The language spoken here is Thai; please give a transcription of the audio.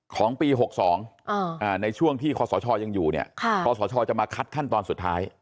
ของปี๖๒ในช่วงที่คศยังอยู่เนี่ยคศจะมาคัดขั้นตอนสุดท้าย